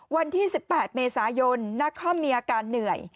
วันที่๑๘เมษายนนาคอมมีอาการเหนื่อย